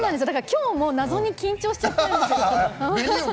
今日も、謎に緊張してきてるんですけど。